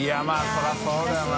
そりゃそうだよな